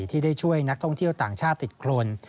ที่ได้ช่วยนักท่องเที่ยวต่างชาติติดโครน